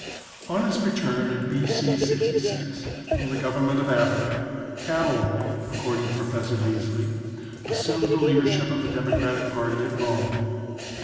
On his return in B.C. (^ from the government of Africa, Catiline, according to Professor Bee§ly, as sumed the leadership of the democratic party at Rome.